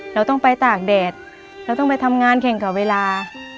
เราต้องไปตากแดดเราต้องไปทำงานแข่งกับเวลา